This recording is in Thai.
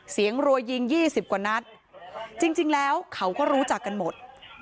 เสียงรัวยิงยี่สิบกว่านัดจริงจริงแล้วเขาก็รู้จักกันหมด